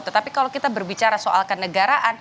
tetapi kalau kita berbicara soal ke negara